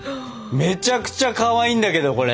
めちゃくちゃかわいいんだけどこれ！